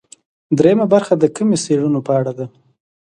درېیمه برخه د کمي څېړنو په اړه ده.